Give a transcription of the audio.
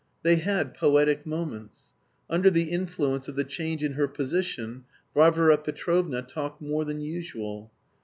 They had poetic moments. Under the influence of the change in her position Varvara Petrovna talked more than usual.